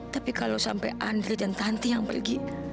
tapi kalau sampai andre dan tanti yang pergi